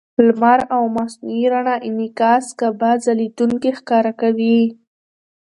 د لمر او مصنوعي رڼا انعکاس کعبه ځلېدونکې ښکاره کوي.